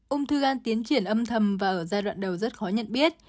ung thư gan tiến triển âm thầm và ở giai đoạn đầu rất khó nhận biết